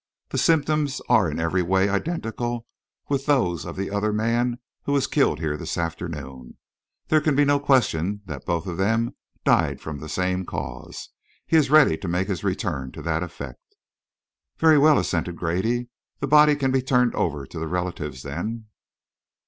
"The symptoms are in every way identical with those of the other man who was killed here this afternoon. There can be no question that both of them died from the same cause. He is ready to make his return to that effect." "Very well," assented Grady. "The body can be turned over to the relatives, then."